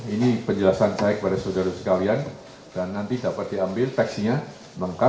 ini penjelasan saya kepada saudara sekalian dan nanti dapat diambil teksinya lengkap